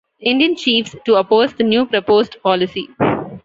Indian Chiefs to oppose the new proposed policy.